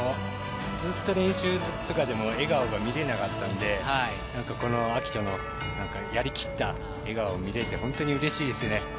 ずっと練習とかでも笑顔が見れなかったので暁斗のやりきった笑顔を見れて本当にうれしいですね。